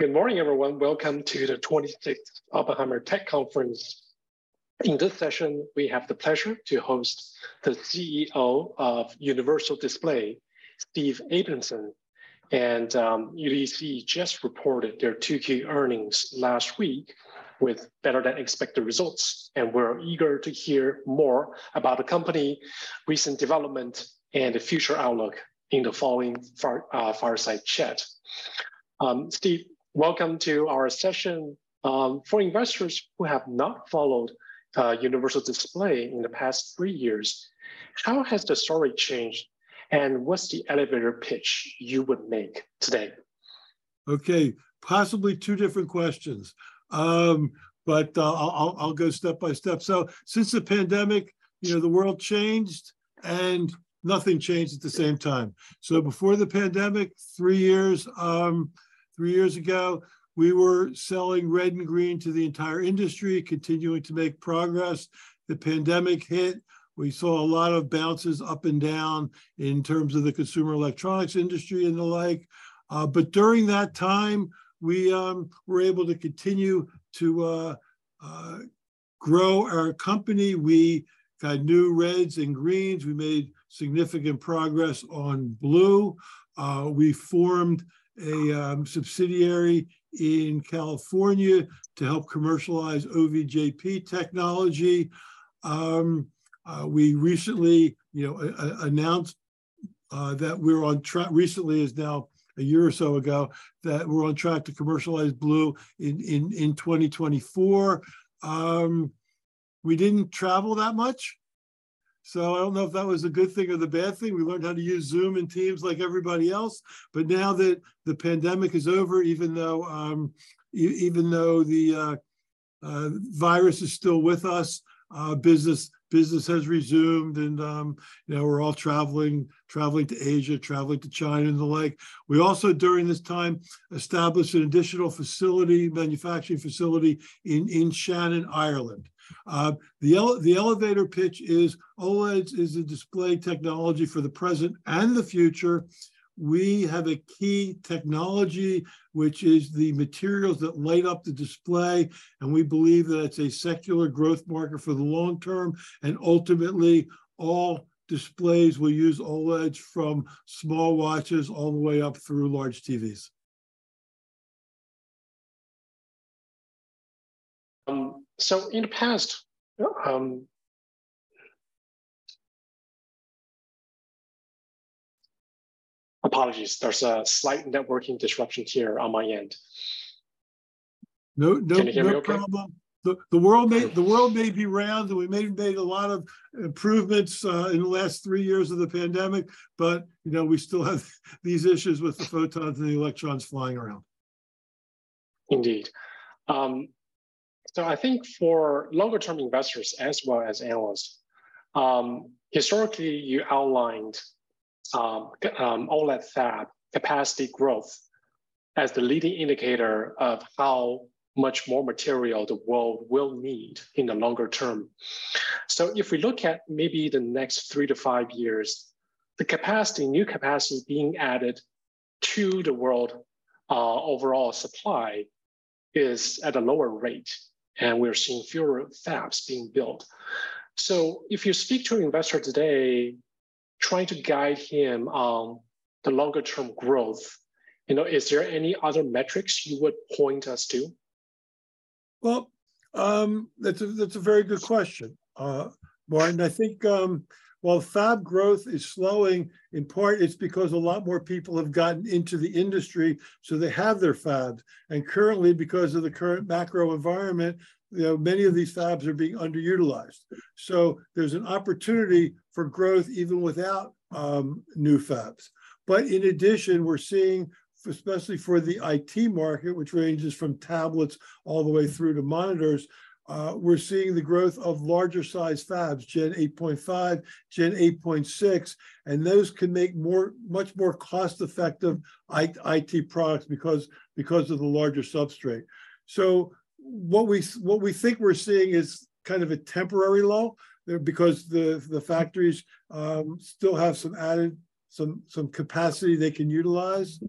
Good morning, everyone. Welcome to the 26th Oppenheimer Tech Conference. In this session, we have the pleasure to host the CEO of Universal Display, Steve Abramson. UDC just reported their 2Q earnings last week with better-than-expected results, and we're eager to hear more about the company, recent development, and the future outlook in the following fireside chat. Steve, welcome to our session. For investors who have not followed Universal Display in the past three years, how has the story changed, and what's the elevator pitch you would make today? Okay, possibly two different questions. But, I'll, I'll, I'll go step by step. Since the pandemic, you know, the world changed, and nothing changed at the same time. Before the pandemic, three years, three years ago, we were selling red and green to the entire industry, continuing to make progress. The pandemic hit, we saw a lot of bounces up and down in terms of the consumer electronics industry and the like. But during that time, we were able to continue to grow our company. We got new reds and greens. We made significant progress on blue. We formed a subsidiary in California to help commercialize OVJP technology. We recently, you know, announced that we're on track-- recently is now a year or so ago, that we're on track to commercialize blue in 2024. We didn't travel that much, so I don't know if that was a good thing or the bad thing. We learned how to use Zoom and Teams like everybody else. Now that the pandemic is over, even though even though the virus is still with us, business, business has resumed and, you know, we're all traveling, traveling to Asia, traveling to China and the like. We also, during this time, established an additional facility, manufacturing facility in Shannon, Ireland. The elevator pitch is: OLED is a display technology for the present and the future. We have a key technology, which is the materials that light up the display, and we believe that it's a secular growth market for the long term, and ultimately, all displays will use OLED from small watches all the way up through large TVs. in the past, Apologies, there's a slight networking disruption here on my end. No. Can you hear me okay? No problem. The world may be round, and we may have made a lot of improvements in the last three years of the pandemic, but, you know, we still have these issues with the photons and the electrons flying around. Indeed. I think for longer-term investors as well as analysts, historically, you outlined OLED fab capacity growth as the leading indicator of how much more material the world will need in the longer term. If we look at maybe the next three to five years, the capacity, new capacity being added to the world, overall supply is at a lower rate, and we're seeing fewer fabs being built. If you speak to an investor today, trying to guide him on the longer-term growth, you know, is there any other metrics you would point us to? Well, that's a, that's a very good question, Martin. I think, while fab growth is slowing, in part, it's because a lot more people have gotten into the industry, so they have their fabs. Currently, because of the current macro environment, you know, many of these fabs are being underutilized. There's an opportunity for growth even without new fabs. In addition, we're seeing, especially for the IT market, which ranges from tablets all the way through to monitors, we're seeing the growth of larger-sized fabs, Gen 8.5, Gen 8.6, and those can make more, much more cost-effective i- IT products because, because of the larger substrate. What we, what we think we're seeing is kind of a temporary lull, because the, the factories, still have some added, some, some capacity they can utilize.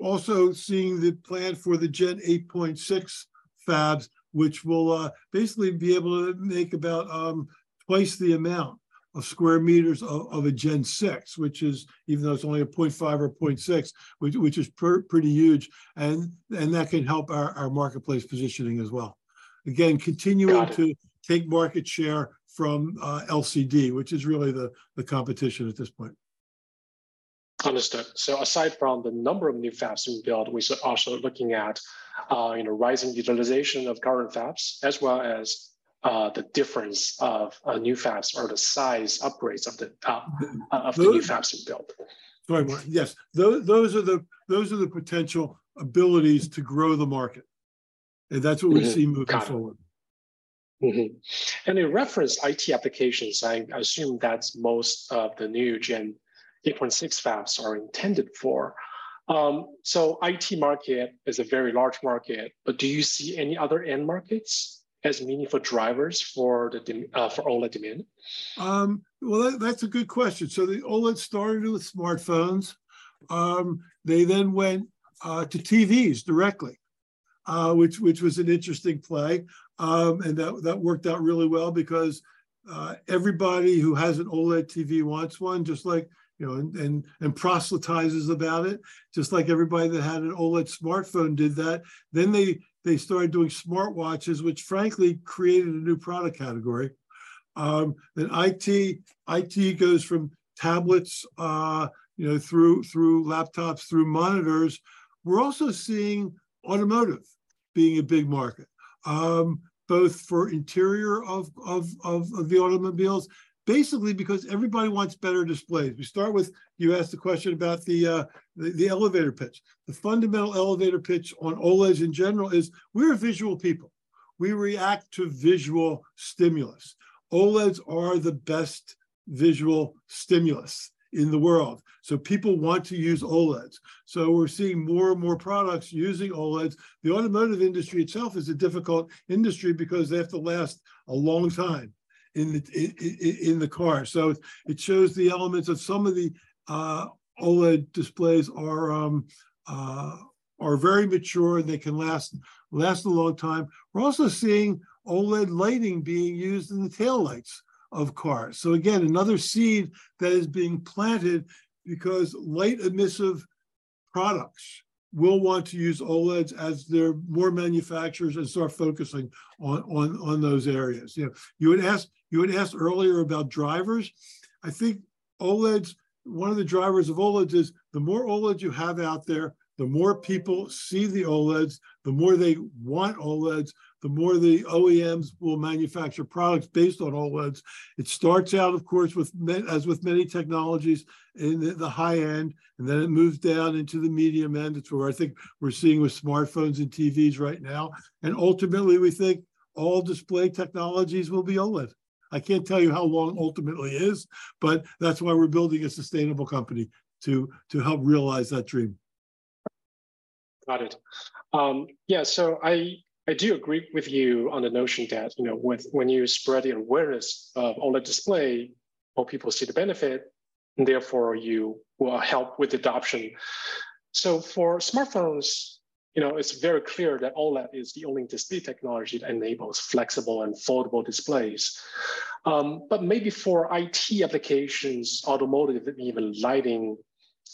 Also seeing the plan for the Gen 8.6 fabs, which will basically be able to make about two times the amount of square meters of a Gen 6, which is, even though it's only a 0.5 or 0.6, which, which is pretty huge, and that can help our, our marketplace positioning as well. Again, continuing- Got it.... to take market share from, LCD, which is really the, the competition at this point. Understood. Aside from the number of new fabs being built, we're also looking at, you know, rising utilization of current fabs, as well as the difference of new fabs or the size upgrades of the. Those- of the new fabs you built. Sorry, Martin. Yes, those are the, those are the potential abilities to grow the market, and that's what we're- Mm-hmm, got it.... see moving forward. Mm-hmm. In reference IT applications, I, I assume that's most of the new Gen 8.6 fabs are intended for? IT market is a very large market, but do you see any other end markets as meaningful drivers for OLED demand? Well, that, that's a good question. The OLED started with smartphones. They then went to TVs directly, which, which was an interesting play. That, that worked out really well because everybody who has an OLED TV wants one, just like, you know, and, and, and proselytizes about it, just like everybody that had an OLED smartphone did that. They, they started doing smartwatches, which frankly created a new product category. IT, IT goes from tablets, you know, through, through laptops, through monitors. We're also seeing automotive being a big market, both for interior of, of, of, of the automobiles, basically, because everybody wants better displays. You asked the question about the, the, the elevator pitch. The fundamental elevator pitch on OLEDs in general is: we're visual people. We react to visual stimulus. OLEDs are the best visual stimulus in the world, so people want to use OLEDs. We're seeing more and more products using OLEDs. The automotive industry itself is a difficult industry because they have to last a long time in the car. It shows the elements of some of the OLED displays are very mature, and they can last, last a long time. We're also seeing OLED lighting being used in the taillights of cars. Again, another seed that is being planted because light-emissive products will want to use OLEDs as there are more manufacturers and start focusing on, on, on those areas. You know, you had asked, you had asked earlier about drivers. I think OLEDs, one of the drivers of OLEDs is the more OLEDs you have out there, the more people see the OLEDs, the more they want OLEDs, the more the OEMs will manufacture products based on OLEDs. It starts out, of course, as with many technologies, in the, the high end, and then it moves down into the medium end. It's where I think we're seeing with smartphones and TVs right now, and ultimately, we think all display technologies will be OLED. I can't tell you how long ultimately is, but that's why we're building a sustainable company, to, to help realize that dream. Got it. Yeah, I, I do agree with you on the notion that, you know, when you spread the awareness of OLED display, more people see the benefit, and therefore you will help with adoption. For smartphones, you know, it's very clear that OLED is the only display technology that enables flexible and foldable displays. Maybe for IT applications, automotive, and even lighting,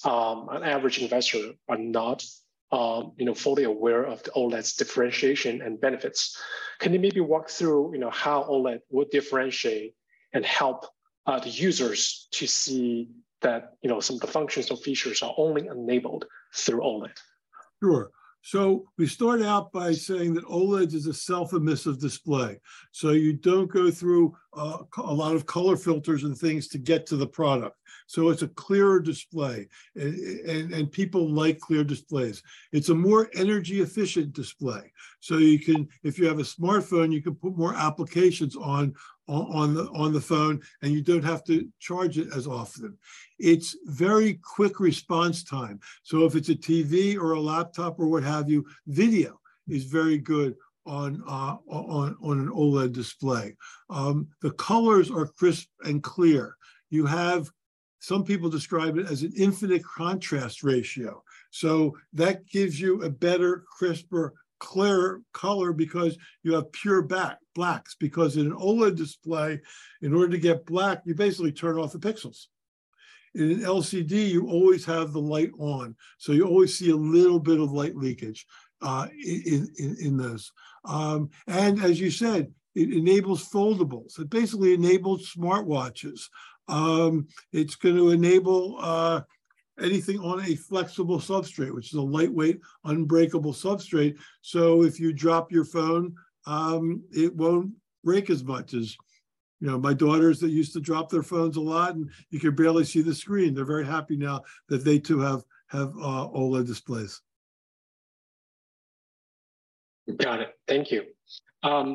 an average investor are not, you know, fully aware of the OLED's differentiation and benefits. Can you maybe walk through, you know, how OLED would differentiate and help the users to see that, you know, some of the functions or features are only enabled through OLED? Sure. We start out by saying that OLED is a self-emissive display. You don't go through a lot of color filters and things to get to the product, so it's a clearer display, and people like clear displays. It's a more energy-efficient display, if you have a smartphone, you can put more applications on, on, on the, on the phone, and you don't have to charge it as often. It's very quick response time, so if it's a TV or a laptop or what have you, video is very good on, on, on an OLED display. The colors are crisp and clear. You have. Some people describe it as an infinite contrast ratio. That gives you a better, crisper, clearer color because you have pure back- blacks. In an OLED display, in order to get black, you basically turn off the pixels. In an LCD, you always have the light on, so you always see a little bit of light leakage in this. As you said, it enables foldables. It basically enables smartwatches. It's going to enable anything on a flexible substrate, which is a lightweight, unbreakable substrate. If you drop your phone, it won't break as much as... You know, my daughters, they used to drop their phones a lot, and you could barely see the screen. They're very happy now that they, too, have, have OLED displays. Got it. Thank you. I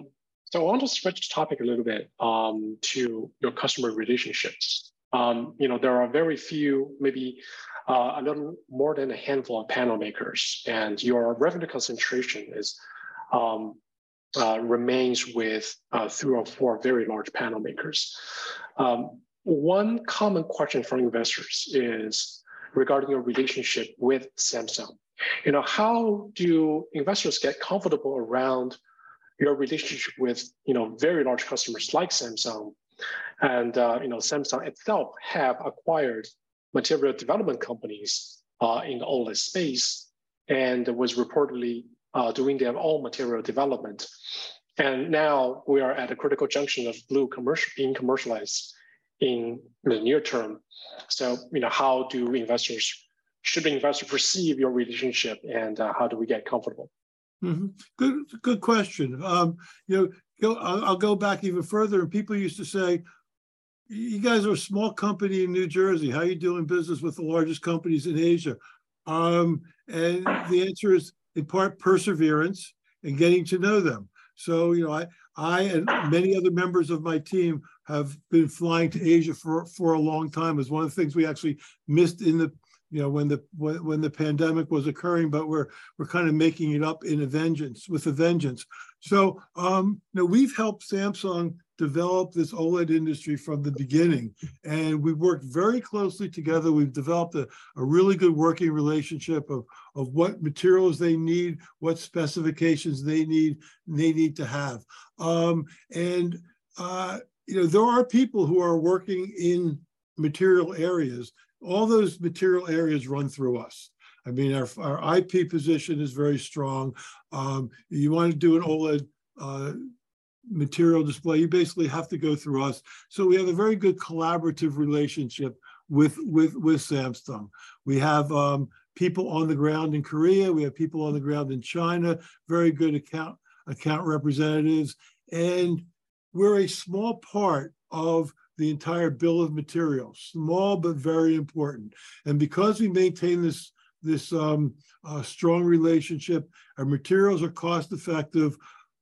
want to switch topic a little bit, to your customer relationships. You know, there are very few, maybe, a little more than a handful of panel makers, and your revenue concentration is, remains with, three or four very large panel makers. One common question from investors is regarding your relationship with Samsung. You know, how do investors get comfortable around your relationship with, you know, very large customers like Samsung? You know, Samsung itself have acquired material development companies, in the OLED space, and was reportedly, doing their own material development. Now we are at a critical junction of blue commercial- being commercialized in the near term. You know, how do investors-- should the investor perceive your relationship, and, how do we get comfortable? Mm-hmm. Good, good question. You know, I'll go back even further, people used to say, You guys are a small company in New Jersey. How are you doing business with the largest companies in Asia? The answer is, in part, perseverance and getting to know them. You know, I and many other members of my team have been flying to Asia for a long time. It's one of the things we actually missed in the, you know, when the pandemic was occurring, but we're, we're kind of making it up in a vengeance, with a vengeance. Now we've helped Samsung develop this OLED industry from the beginning, and we've worked very closely together. We've developed a really good working relationship of what materials they need, what specifications they need, they need to have. you know, there are people who are working in material areas. All those material areas run through us. I mean, our, our IP position is very strong. You want to do an OLED, material display, you basically have to go through us. We have a very good collaborative relationship with, with, with Samsung. We have, people on the ground in Korea, we have people on the ground in China, very good account, account representatives. We're a small part of the entire bill of materials. Small, but very important. Because we maintain this, this strong relationship, our materials are cost-effective,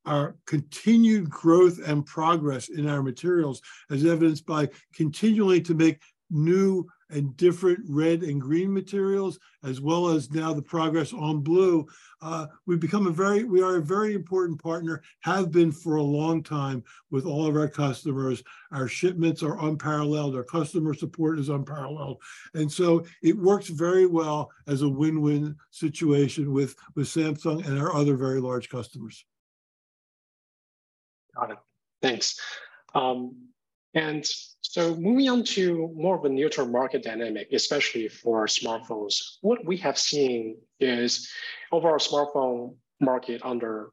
our continued growth and progress in our materials, as evidenced by continually to make new and different red and green materials, as well as now the progress on blue, we are a very important partner, have been for a long time with all of our customers. Our shipments are unparalleled, our customer support is unparalleled, and so it works very well as a win-win situation with, with Samsung and our other very large customers. Got it. Thanks. Moving on to more of a near-term market dynamic, especially for smartphones, what we have seen is overall smartphone market under,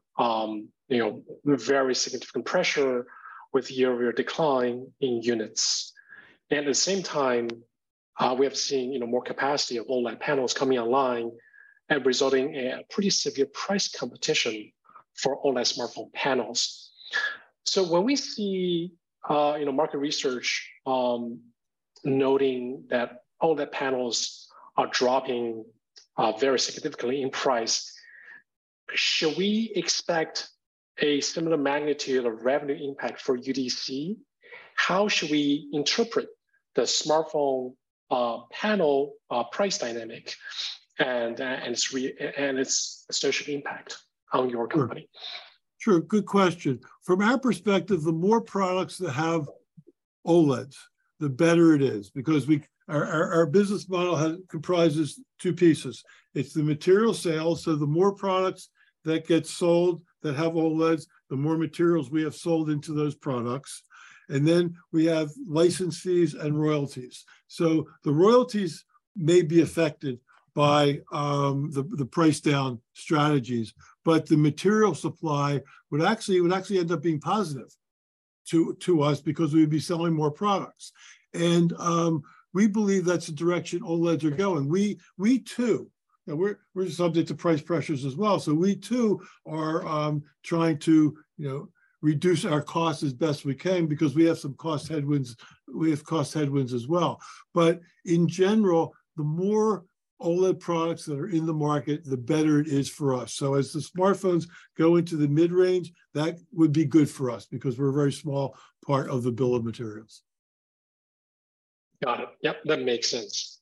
you know, very significant pressure with year-over-year decline in units. At the same time, we have seen, you know, more capacity of OLED panels coming online and resulting in a pretty severe price competition for OLED smartphone panels. When we see, you know, market research, noting that OLED panels are dropping, very significantly in price, should we expect a similar magnitude of revenue impact for UDC? How should we interpret the smartphone, panel, price dynamic and, and its, and its associated impact on your company? Sure. Good question. From our perspective, the more products that have OLEDs, the better it is, because we-- our, our, our business model has, comprises two pieces. It's the material sales, so the more products that get sold that have OLEDs, the more materials we have sold into those products. Then we have license fees and royalties. The royalties may be affected by the, the price down strategies, but the material supply would actually, would actually end up being positive to, to us because we'd be selling more products. We believe that's the direction OLEDs are going. We, we too, now we're, we're subject to price pressures as well, so we too are trying to, you know, reduce our costs as best we can because we have some cost headwinds, we have cost headwinds as well. In general, the more OLED products that are in the market, the better it is for us. As the smartphones go into the mid-range, that would be good for us because we're a very small part of the bill of materials. Got it. Yep, that makes sense.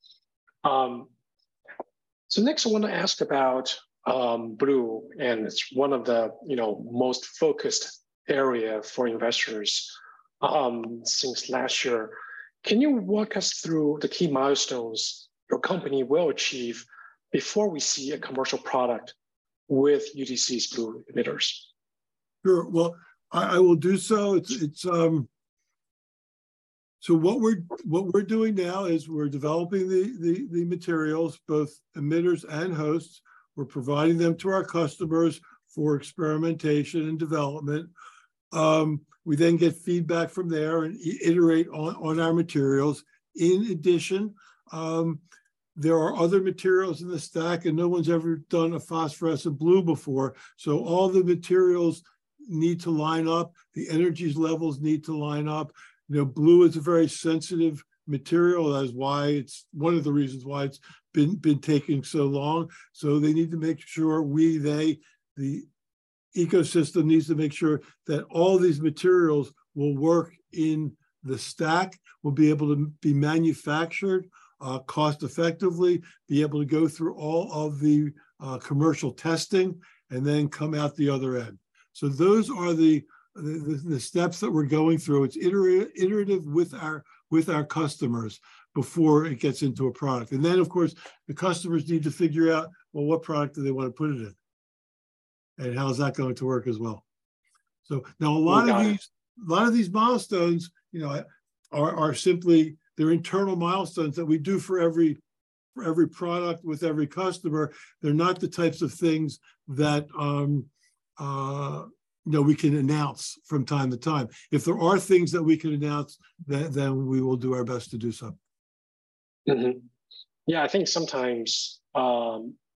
Next, I want to ask about, blue, and it's one of the, you know, most focused area for investors, since last year. Can you walk us through the key milestones your company will achieve before we see a commercial product with UDC's blue emitters? Sure. Well, I, I will do so. It's, it's. What we're, what we're doing now is we're developing the, the, the materials, both emitters and hosts. We're providing them to our customers for experimentation and development. We then get feedback from there and iterate on, on our materials. In addition, there are other materials in the stack. No one's ever done a phosphorescent blue before. All the materials need to line up, the energies levels need to line up. You know, blue is a very sensitive material, that is why it's one of the reasons why it's been taking so long. They need to make sure we, they, the ecosystem needs to make sure that all these materials will work in the stack, will be able to be manufactured, cost effectively, be able to go through all of the, commercial testing, and then come out the other end. Those are the, the, the, the steps that we're going through. It's iterative with our, with our customers before it gets into a product. Then, of course, the customers need to figure out, well, what product do they want to put it in, and how is that going to work as well? Now, a lot of these. Got it.... a lot of these milestones, you know, are, are simply, they're internal milestones that we do for every, for every product with every customer. They're not the types of things that, you know, we can announce from time to time. If there are things that we can announce, then, then we will do our best to do so. Mm-hmm. Yeah, I think sometimes,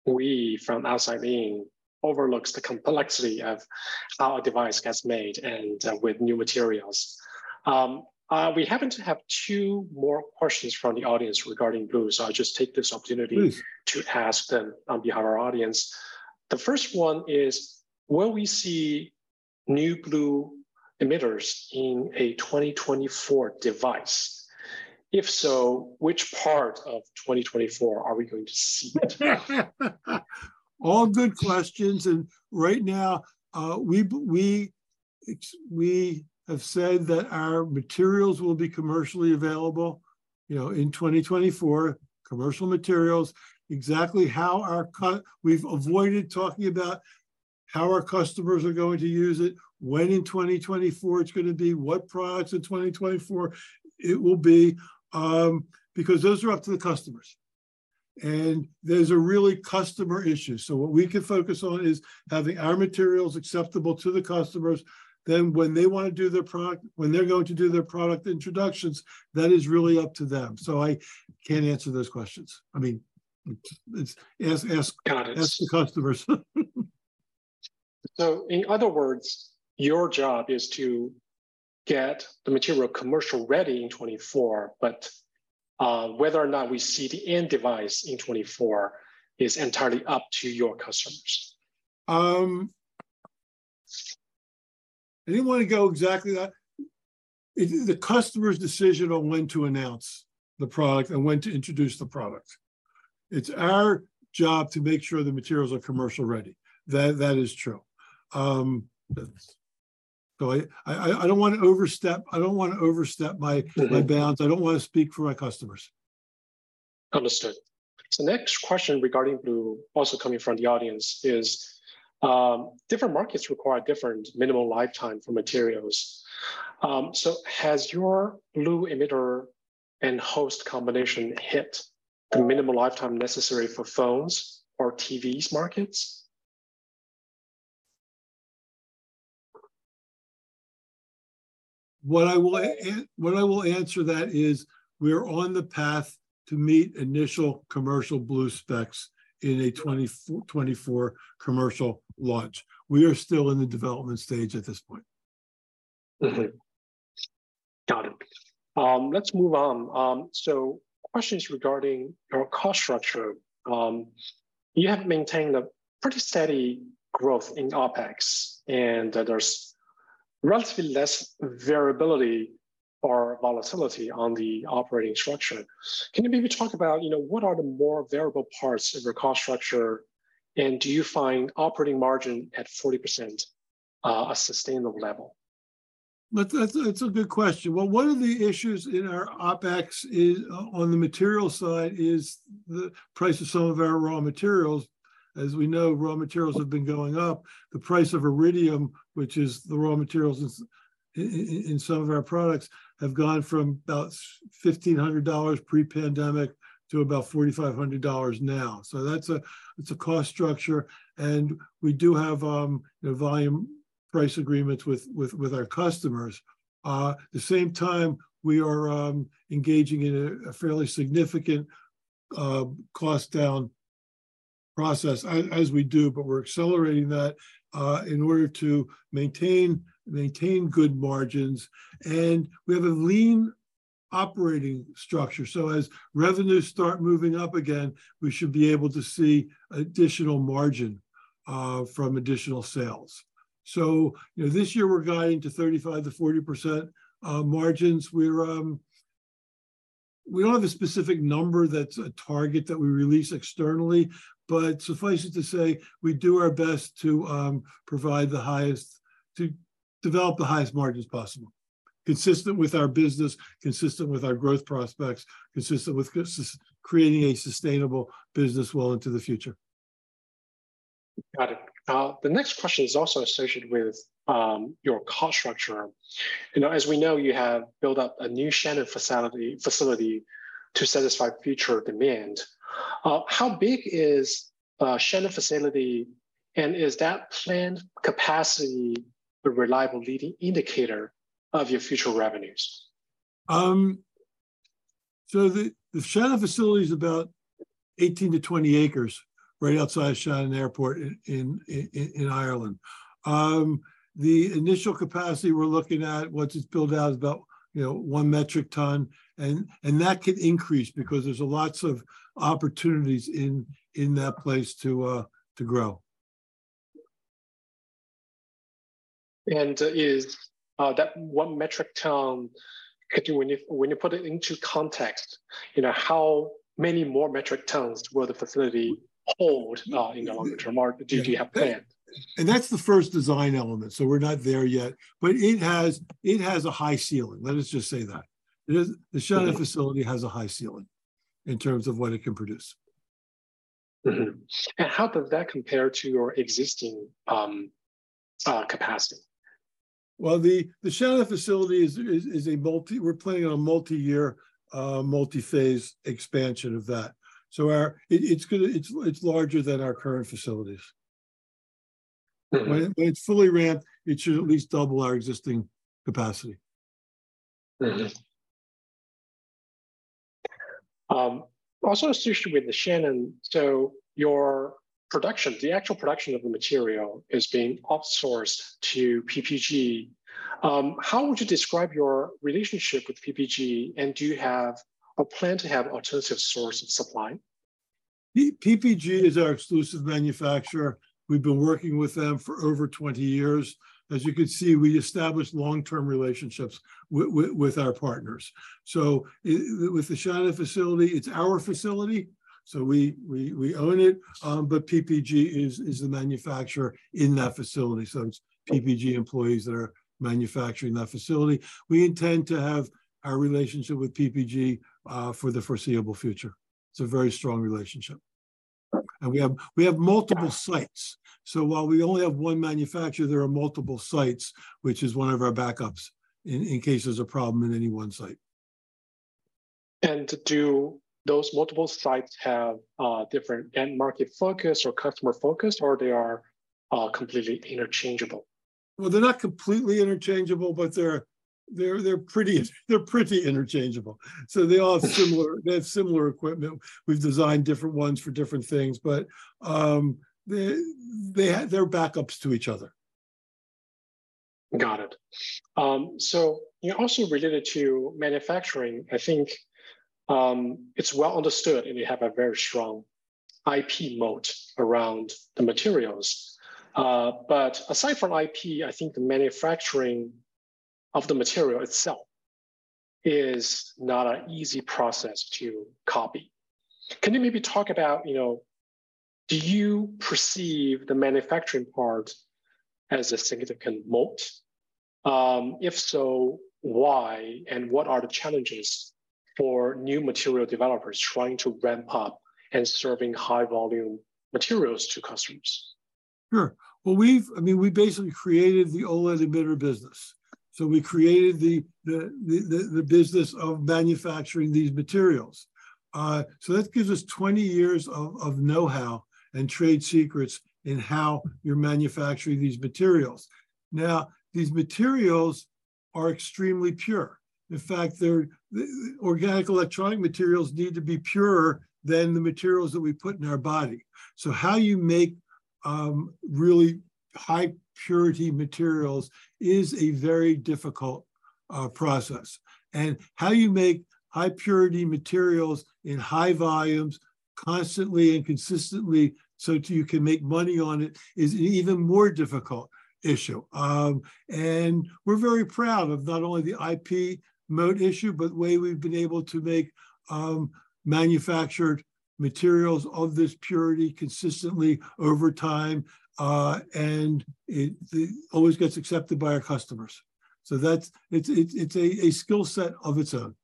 we from outside being overlooks the complexity of how a device gets made and, with new materials. We happen to have two more questions from the audience regarding blue, so I'll just take this opportunity- Mm. to ask them on behalf our audience. The first one is, will we see new blue emitters in a 2024 device? If so, which part of 2024 are we going to see it? All good questions. Right now, we have said that our materials will be commercially available, you know, in 2024. Commercial materials, exactly how our we've avoided talking about how our customers are going to use it, when in 2024 it's gonna be, what products in 2024 it will be, because those are up to the customers, and there's a really customer issue. What we can focus on is having our materials acceptable to the customers. When they wanna do their when they're going to do their product introductions, that is really up to them. I can't answer those questions. I mean, it's, it's, ask. Got it. Ask the customers. In other words, your job is to get the material commercial ready in 2024, but, whether or not we see the end device in 2024 is entirely up to your customers? I didn't wanna go exactly that. It's the customer's decision on when to announce the product and when to introduce the product. It's our job to make sure the materials are commercial ready. That, that is true. I don't wanna overstep, I don't wanna overstep... Mm-hmm... my bounds. I don't wanna speak for my customers. Understood. next question regarding blue, also coming from the audience, is, different markets require different minimum lifetime for materials. Has your blue emitter and host combination hit the minimum lifetime necessary for phones or TVs markets? What I will, what I will answer that is, we are on the path to meet initial commercial blue specs in a 2024 commercial launch. We are still in the development stage at this point. Got it. Let's move on. Questions regarding your cost structure. You have maintained a pretty steady growth in OpEx, and there's relatively less variability or volatility on the operating structure. Can you maybe talk about, you know, what are the more variable parts of your cost structure, and do you find operating margin at 40% a sustainable level? That's, that's a good question. Well, one of the issues in our OpEx is, on the material side, is the price of some of our raw materials. As we know, raw materials have been going up. The price of iridium, which is the raw materials in, in, in some of our products, have gone from about $1,500 pre-pandemic to about $4,500 now. That's a, it's a cost structure, and we do have volume price agreements with, with, with our customers. At the same time, we are engaging in a, a fairly significant cost down process as, as we do, but we're accelerating that in order to maintain, maintain good margins, and we have a lean operating structure. As revenues start moving up again, we should be able to see additional margin from additional sales. You know, this year we're guiding to 35%-40% margins. We're, we don't have a specific number that's a target that we release externally, but suffice it to say, we do our best to provide the highest, to develop the highest margins possible, consistent with our business, consistent with our growth prospects, consistent with creating a sustainable business well into the future. Got it. The next question is also associated with your cost structure. You know, as we know, you have built up a new Shannon facility, facility to satisfy future demand. How big is Shannon facility, and is that planned capacity a reliable leading indicator of your future revenues? The, the Shannon facility is about 18-20 acres, right outside of Shannon Airport in Ireland. The initial capacity we're looking at, once it's built out, is about, you know, 1 metric ton, and that could increase because there's a lots of opportunities in that place to grow. Is, that 1 metric ton, could you, when you, when you put it into context, you know, how many more metric tons will the facility hold, in the longer term, or do you have planned? That's the first design element, so we're not there yet. It has, it has a high ceiling, let us just say that. It is- Okay. The Shannon facility has a high ceiling in terms of what it can produce. Mm-hmm. How does that compare to your existing capacity? Well, the Shannon facility is a multi-year, multi-phase expansion of that. It's gonna it's larger than our current facilities. When it's fully ramped, it should at least double our existing capacity. Mm-hmm. Also associated with the Shannon, so your production, the actual production of the material is being outsourced to PPG. How would you describe your relationship with PPG, and do you have a plan to have alternative source of supply? PPG is our exclusive manufacturer. We've been working with them for over 20 years. As you can see, we establish long-term relationships with our partners. With the Shannon facility, it's our facility, so we, we, we own it, but PPG is, is the manufacturer in that facility. It's PPG employees that are manufacturing that facility. We intend to have our relationship with PPG for the foreseeable future. It's a very strong relationship. Perfect. We have, we have multiple sites. While we only have one manufacturer, there are multiple sites, which is one of our backups in, in case there's a problem in any one site. Do those multiple sites have different end market focus or customer focus, or they are completely interchangeable? They're not completely interchangeable, but they're pretty interchangeable. They all have similar equipment. We've designed different ones for different things, but they're backups to each other. Got it. You know, also related to manufacturing, I think, it's well understood, and you have a very strong IP moat around the materials. Aside from IP, I think the manufacturing of the material itself is not an easy process to copy. Can you maybe talk about, you know, do you perceive the manufacturing part as a significant moat? If so, why? What are the challenges for new material developers trying to ramp up and serving high-volume materials to customers? Sure. Well, I mean, we basically created the OLED emitter business. We created the business of manufacturing these materials. That gives us 20 years of know-how and trade secrets in how you're manufacturing these materials. Now, these materials are extremely pure. In fact, organic electronic materials need to be purer than the materials that we put in our body. How you make really high purity materials is a very difficult process. How you make high purity materials in high volumes, constantly and consistently, so that you can make money on it, is an even more difficult issue. And we're very proud of not only the IP moat issue, but the way we've been able to make manufactured materials of this purity consistently over time, and it always gets accepted by our customers. It's a skill set of its own.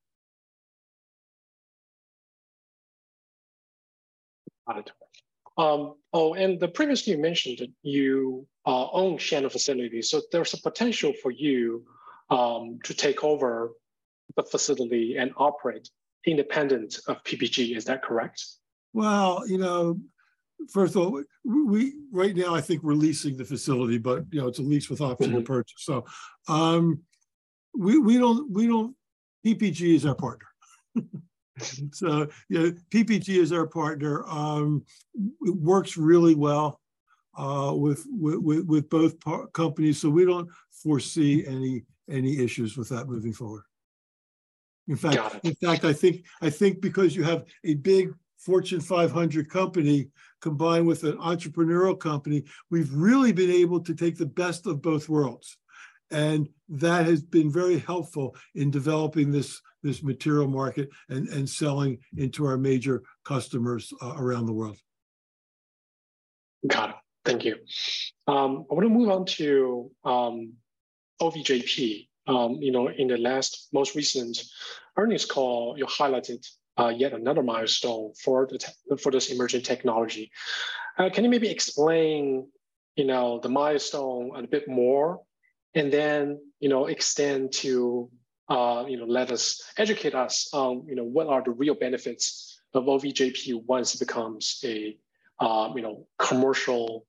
Got it. Previously you mentioned that you own Shannon facility, so there's a potential for you to take over the facility and operate independent of PPG. Is that correct? Well, you know, first of all, right now, I think we're leasing the facility, but, you know, it's a lease with option to purchase. Mm-hmm. We don't. PPG is our partner. You know, PPG is our partner. It works really well, with both par-- companies, so we don't foresee any issues with that moving forward. Got it. In fact, in fact, I think, I think because you have a big Fortune 500 company combined with an entrepreneurial company, we've really been able to take the best of both worlds, and that has been very helpful in developing this, this material market and, and selling into our major customers around the world. Got it. Thank you. I want to move on to OVJP. You know, in the last most recent earnings call, you highlighted yet another milestone for this emerging technology. Can you maybe explain, you know, the milestone a bit more and then, you know, extend to, you know, let us educate us on, you know, what are the real benefits of OVJP once it becomes a commercialized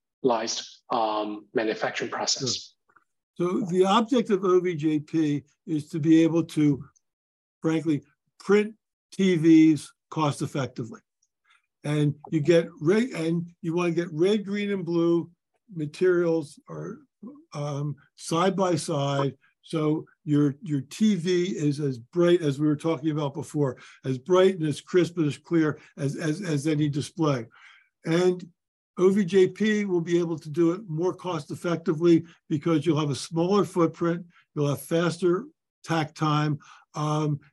manufacturing process? Sure. The object of OVJP is to be able to, frankly, print TVs cost effectively. You want to get red, green, and blue materials or side by side, so your, your TV is as bright as we were talking about before, as bright and as crisp and as clear as, as, as any display. OVJP will be able to do it more cost effectively because you'll have a smaller footprint, you'll have faster tact time,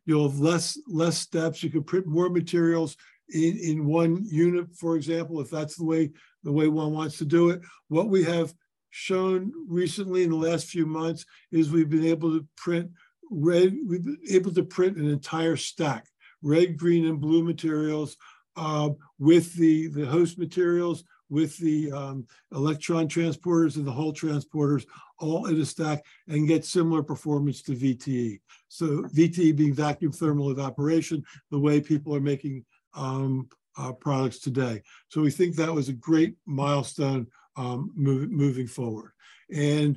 you'll have less, less steps. You can print more materials in, in one unit, for example, if that's the way, the way one wants to do it. What we have shown recently, in the last few months, is we've been able to print an entire stack, red, green, and blue materials, with the, the host materials, with the electron transporters and the hole transporters all in a stack, and get similar performance to VTE. VTE being vacuum thermal evaporation, the way people are making, products today. We think that was a great milestone, moving forward. You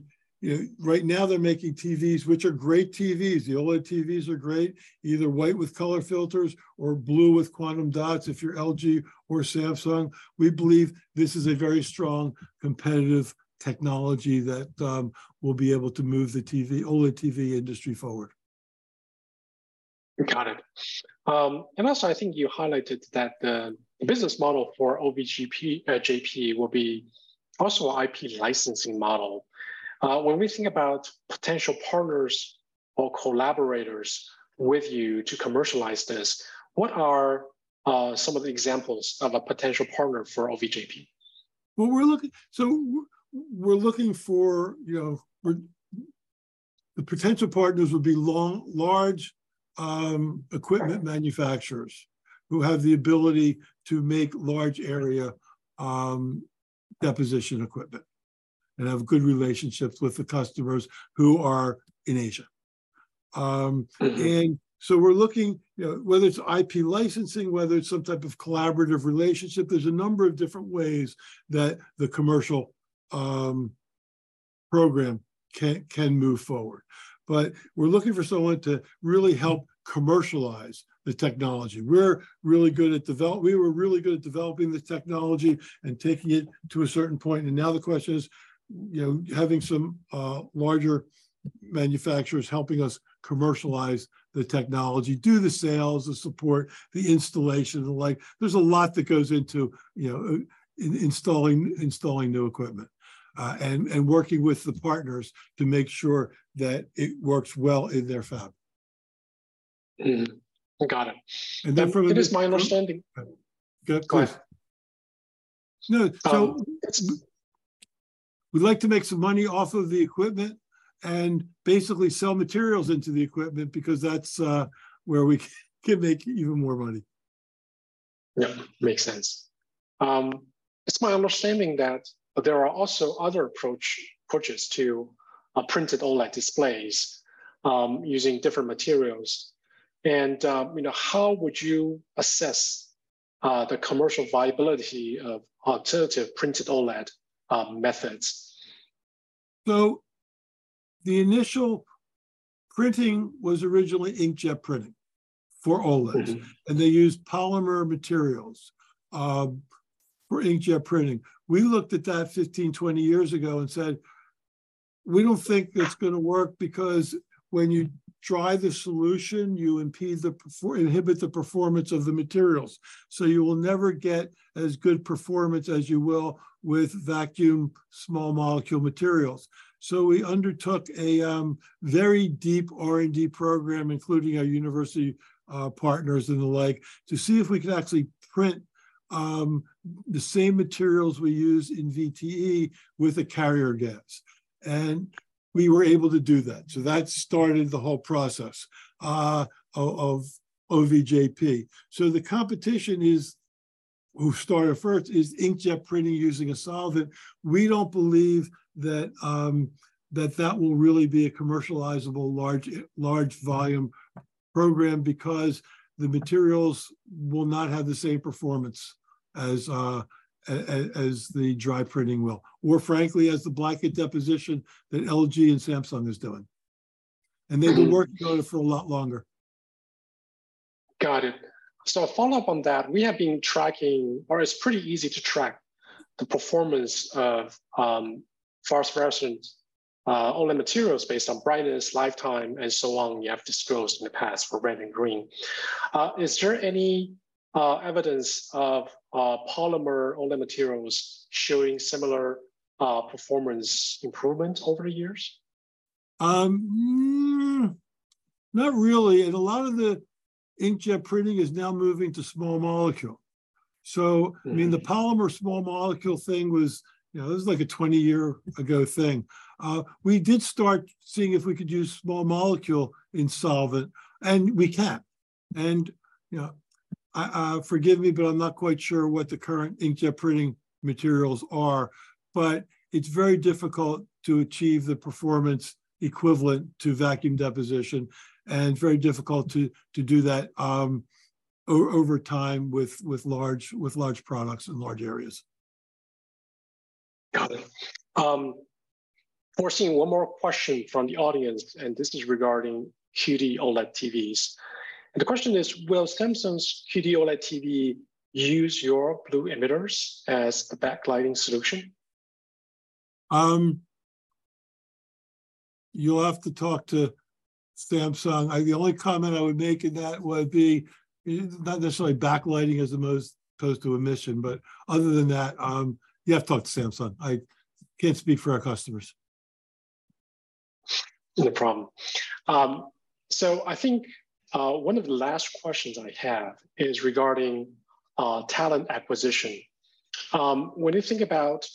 know, right now they're making TVs, which are great TVs. The OLED TVs are great, either white with color filters or blue with quantum dots, if you're LG or Samsung. We believe this is a very strong competitive technology that will be able to move the TV, OLED TV industry forward. Got it. Also I think you highlighted that the, the business model for OVJP will be also IP licensing model. When we think about potential partners or collaborators with you to commercialize this, what are some of the examples of a potential partner for OVJP? Well, we're looking for, you know, the potential partners would be long, large, equipment manufacturers who have the ability to make large area, deposition equipment and have good relationships with the customers who are in Asia. Mm-hmm. We're looking, you know, whether it's IP licensing, whether it's some type of collaborative relationship, there's a number of different ways that the commercial program can move forward. We're looking for someone to really help commercialize the technology. We were really good at developing the technology and taking it to a certain point, and now the question is, you know, having some larger manufacturers helping us commercialize the technology, do the sales, the support, the installation, and the like. There's a lot that goes into, you know, installing new equipment and working with the partners to make sure that it works well in their fab. Mm-hmm. I got it. And then from- It is my understanding. Good. Go ahead. Go ahead. No. Um- We'd like to make some money off of the equipment and basically sell materials into the equipment because that's where we can make even more money. Yeah, makes sense. It's my understanding that there are also other approaches to printed OLED displays, using different materials. You know, how would you assess the commercial viability of alternative printed OLED methods? The initial printing was originally inkjet printing for OLEDs. Mm-hmm. They used polymer materials for inkjet printing. We looked at that 15, 20 years ago and said, "We don't think that's gonna work, because when you dry the solution, you impede inhibit the performance of the materials. You will never get as good performance as you will with vacuum small molecule materials." We undertook a very deep R&D program, including our university partners and the like, to see if we could actually print the same materials we use in VTE with a carrier gas. We were able to do that. That started the whole process of OVJP. The competition is, who started first, is inkjet printing using a solvent. We don't believe that, that that will really be a commercializable, large, large volume program because the materials will not have the same performance as the dry printing will, or frankly, as the blanket deposition that LG and Samsung is doing. Mm-hmm. They've been working on it for a lot longer. Got it. A follow-up on that, we have been tracking, or it's pretty easy to track, the performance of phosphorescent OLED materials based on brightness, lifetime, and so on, you have disclosed in the past for red and green. Is there any evidence of polymer OLED materials showing similar performance improvement over the years? Not really. A lot of the inkjet printing is now moving to small molecule. Mm-hmm. I mean, the polymer small molecule thing was, you know, this was like a 20-year ago thing. We did start seeing if we could use small molecule in solvent, and we can. You know, forgive me, but I'm not quite sure what the current inkjet printing materials are, but it's very difficult to achieve the performance equivalent to vacuum deposition, and very difficult to, to do that over time with, with large, with large products in large areas. Got it. We're seeing one more question from the audience. This is regarding QD-OLED TVs. The question is: Will Samsung's QD-OLED TV use your blue emitters as the backlighting solution? You'll have to talk to Samsung. The only comment I would make in that would be, not necessarily backlighting is the most opposed to emission, but other than that, you have to talk to Samsung. I can't speak for our customers. I think one of the last questions I have is regarding talent acquisition. When you think about,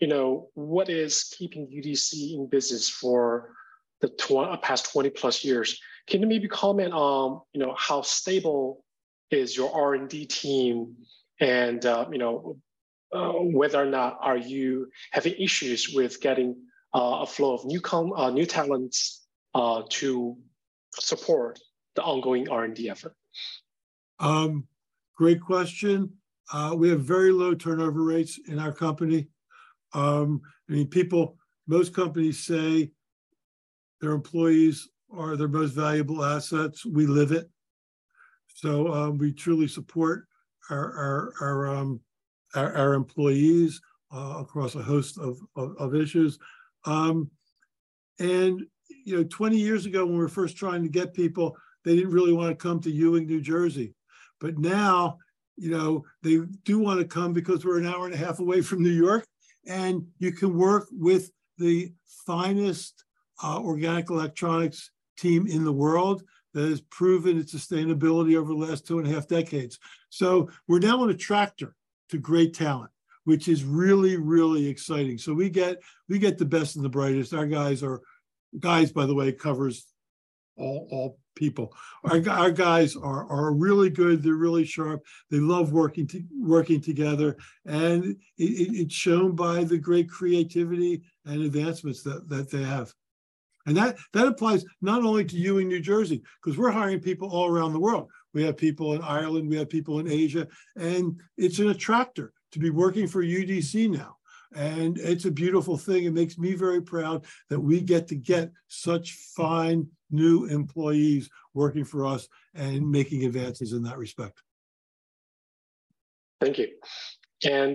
you know, what is keeping UDC in business for the past 20-plus years, can you maybe comment on, you know, how stable is your R&D team? You know, whether or not are you having issues with getting a flow of new new talents to support the ongoing R&D effort? Great question. We have very low turnover rates in our company. I mean, people, most companies say their employees are their most valuable assets, we live it. We truly support our employees across a host of issues. You know, 20 years ago, when we were first trying to get people, they didn't really wanna come to Ewing, New Jersey. Now, you know, they do wanna come because we're an hour and a half away from New York, and you can work with the finest organic electronics team in the world that has proven its sustainability over the last two and a half decades. We're now an attractor to great talent, which is really, really exciting. We get, we get the best and the brightest. Our guys are guys, by the way, covers all, all people. Our guys are really good, they're really sharp, they love working together, and it's shown by the great creativity and advancements that they have. That applies not only to you in New Jersey, 'cause we're hiring people all around the world. We have people in Ireland, we have people in Asia, and it's an attractor to be working for UDC now, and it's a beautiful thing. It makes me very proud that we get to get such fine new employees working for us and making advances in that respect. Thank you.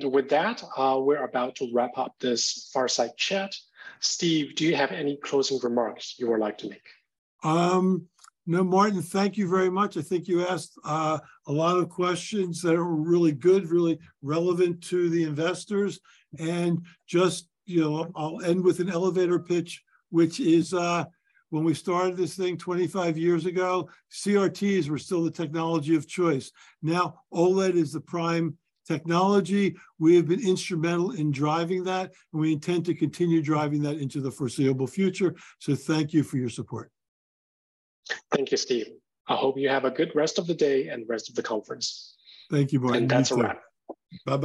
With that, we're about to wrap up this fireside chat. Steve, do you have any closing remarks you would like to make? No, Martin, thank you very much. I think you asked a lot of questions that are really good, really relevant to the investors, and just, you know, I'll end with an elevator pitch, which is, when we started this thing 25 years ago, CRTs were still the technology of choice. Now, OLED is the prime technology. We have been instrumental in driving that, and we intend to continue driving that into the foreseeable future, so thank you for your support. Thank you, Steve. I hope you have a good rest of the day and rest of the conference. Thank you, Martin. That's a wrap. Bye-bye.